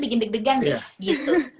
bikin deg degang deh iya gitu